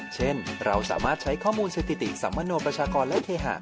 เช่นเราสามารถใช้ข้อมูลสถิติสัมมโนประชากรและเคหะ